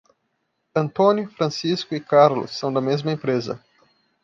Antônio, Francisco e Carlos são da mesma empresa.